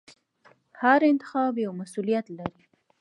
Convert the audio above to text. هر انتخاب یو مسوولیت لري.